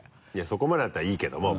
そこまでだったらいいけども。